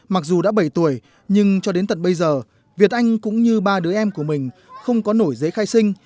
mặc dù đã bảy tuổi nhưng cho đến tận bây giờ việt anh cũng như ba đứa em của mình không có nổi giấy khai sinh